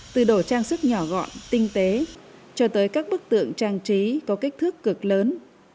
từ đồ trang sức nhỏ gọn tinh tế cho tới các bức tượng trang trí có kích thước cực lớn